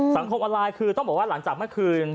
สังคมออนไลน์คือต้องบอกว่าหลังจากเมื่อคืน